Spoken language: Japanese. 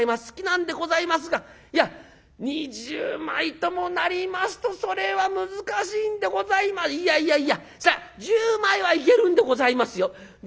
好きなんでございますがいや２０枚ともなりますとそれは難しいんでございまいやいやいや１０枚はいけるんでございますよ。